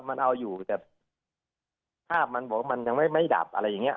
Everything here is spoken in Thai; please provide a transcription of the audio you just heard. มันเอาอยู่แต่ภาพมันบอกว่ามันยังไม่ดับอะไรอย่างเงี้